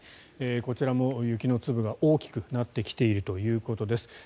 こちらも雪の粒が大きくなってきているということです。